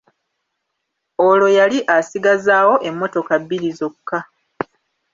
Olwo yali asigazaawo emmotoka bbiri zokka.